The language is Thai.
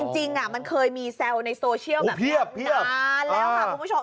จริงมันเคยมีแซวในโซเชียลแบบนานแล้วค่ะคุณผู้ชม